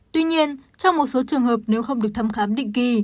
tuy nhiên trong một số trường hợp nếu không được thăm khám định kỳ